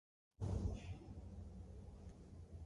تل په مثبتو څیزونو غور کوم.